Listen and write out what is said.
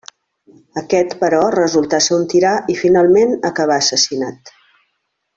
Aquest, però, resultà ser un tirà i finalment acabà assassinat.